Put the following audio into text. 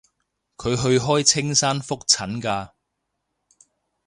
佢去開青山覆診㗎